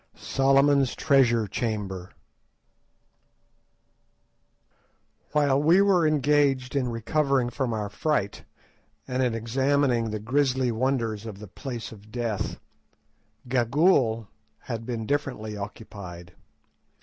SOLOMON'S TREASURE CHAMBER While we were engaged in recovering from our fright, and in examining the grisly wonders of the Place of Death, Gagool had been differently occupied.